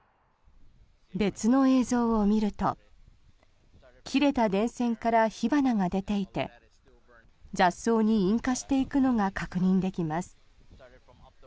別の映像を見ると切れた電線から火花が出ていて雑草に引火していくのが確認できます。